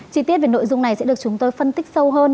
chi tiết về nội dung này sẽ được chúng tôi phân tích sâu hơn